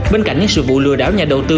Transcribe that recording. bên cạnh những sự vụ lừa đảo nhà đầu tư